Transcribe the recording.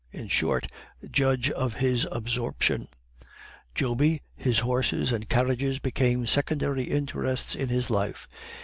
In short, judge of his absorption; Joby, his horses and carriages, became secondary interests in his life.